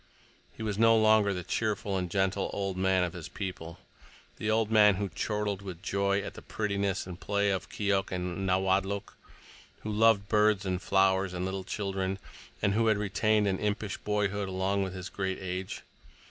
He was no longer the cheerful and gentle "old man" of his people; the old man who chortled with joy at the prettiness and play of Keok and Nawadlook, who loved birds and flowers and little children, and who had retained an impish boyhood along with his great age.